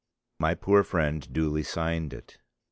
My poor friend duly signed it.